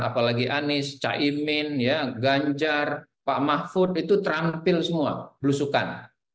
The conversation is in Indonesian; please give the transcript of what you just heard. apalagi anies caimin ganjar pak mahfud itu terampil semua belusukan